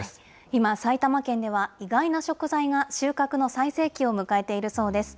今、埼玉県では、意外な食材が収穫の最盛期を迎えているそうです。